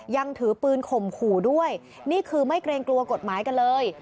ยังถือปืนข่มขู่ด้วยนี่คือไม่เกรงกลัวกฎหมายกันเลย